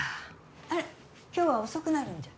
あら、今日は遅くなるんじゃ？